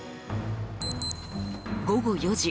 午後４時。